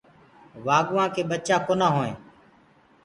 وآڳوُآ ڪي ٻچآ ڪونآ هووينٚ۔